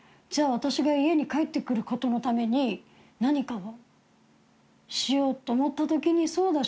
私が家に帰ってくることのために何かをしようと思った時にそうだ植物置いたら